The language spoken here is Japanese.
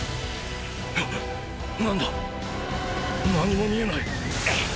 何だ⁉何も見えない！！